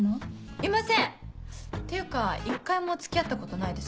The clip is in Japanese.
いませんっていうか一回も付き合ったことないです。